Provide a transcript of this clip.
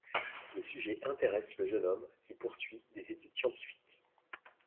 Le sujet intéresse le jeune homme, qui poursuit des études scientifiques.